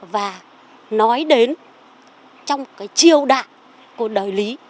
và nói đến trong cái chiêu đạn của đời lý